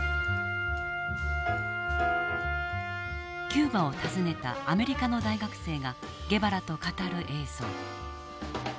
キューバを訪ねたアメリカの大学生がゲバラと語る映像。